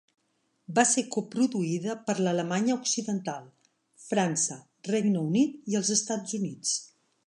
Va ser coproduïda per l'Alemanya Occidental, França, Regne Unit i els Estats Units.